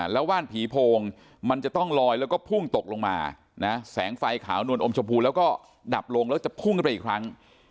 แล้วว่านผีโพงมันจะต้องลอยแล้วก็พุ่งตกลงมานะแสงไฟขาวนวลอมชมพูแล้วก็ดับลงแล้วจะพุ่งขึ้นไปอีกครั้ง